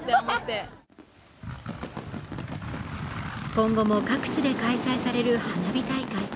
今後も各地で開催される花火大会。